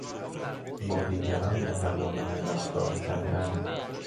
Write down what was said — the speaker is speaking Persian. با دیگران مهربانانه رفتار کردن